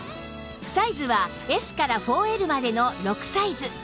サイズは Ｓ から ４Ｌ までの６サイズ